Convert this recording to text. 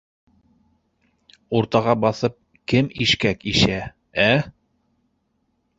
Уртаға баҫып кем ишкәк ишә, ә?